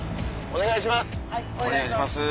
お願いします。